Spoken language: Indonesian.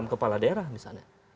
enam kepala daerah misalnya